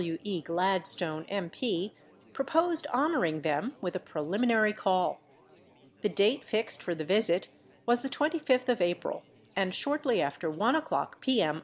W. E. Gladstone, M. P., proposed honoring them with a preliminary call. The date fixed for the visit was the 25th of April, and shortly after 1 o'clock P. M.